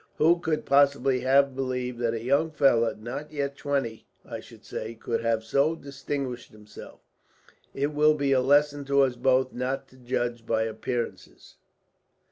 Who could possibly have believed that a young fellow, not yet twenty, I should say, could have so distinguished himself? It will be a lesson to us both not to judge by appearances."